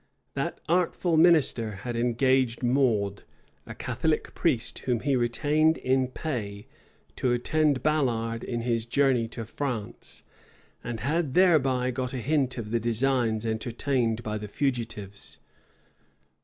That artful minister had engaged Maud, a Catholic priest, whom he retained in pay, to attend Ballard in his journey to France, and had thereby got a hint of the designs entertained by the fugitives.